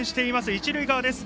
一塁側です。